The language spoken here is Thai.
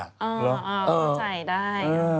อ๋อคงเข้าใจได้